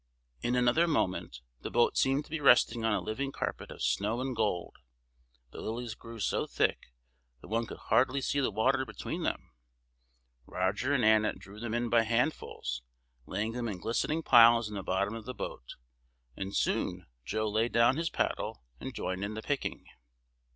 In another moment, the boat seemed to be resting on a living carpet of snow and gold. The lilies grew so thick that one could hardly see the water between them. Roger and Annet drew them in by handfuls, laying them in glistening piles in the bottom of the boat, and soon Joe laid down his paddle, and joined in the picking.